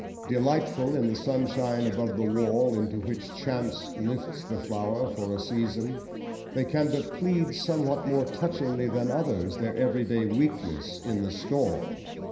Delightful in the sunshine above the wall into which chance lifts the flower for a season, they can but plead somewhat more touchingly than others their everyday weakness in the storm.